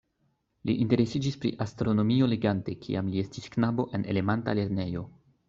Li interesiĝis pri astronomio legante kiam li estis knabo en elementa lernejo.